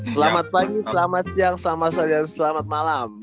selamat pagi selamat siang selamat sore dan selamat malam